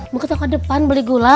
mau ke toko depan beli gula